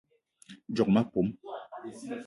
Djock ma pom